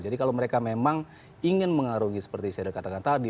jadi kalau mereka memang ingin mengarungi seperti sadio katakan tadi